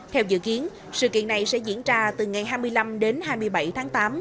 theo dự kiến sự kiện này sẽ diễn ra từ ngày hai mươi năm đến hai mươi bảy tháng tám